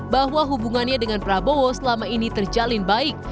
bahwa hubungannya dengan prabowo selama ini terjalin baik